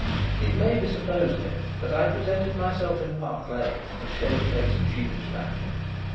It may be supposed, then, that I presented myself in Park Lane in a shamefaced, sheepish fashion.